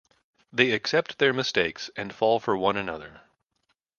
They accept their mistakes and fall for one another.